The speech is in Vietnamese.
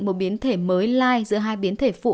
một biến thể mới lai giữa hai biến thể phụ